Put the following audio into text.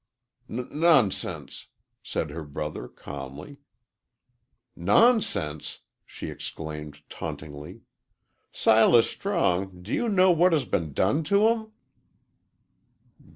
"N nonsense," said her brother, calmly. "Nonsense!" she exclaimed, tauntingly. "Silas Strong, do you know what has been done to 'em?"